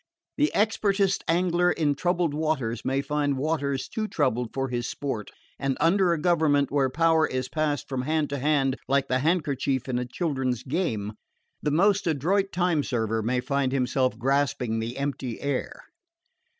The expertest angler in troubled waters may find waters too troubled for his sport; and under a government where power is passed from hand to hand like the handkerchief in a children's game, the most adroit time server may find himself grasping the empty air.